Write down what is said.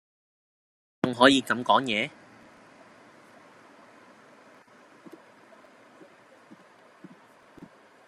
你都仲可以咁講野?